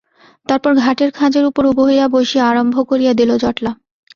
তারপর ঘাটের খাঁজের উপর উবু হইয়া বসিয়া আরম্ভ করিয়া দিল জটলা।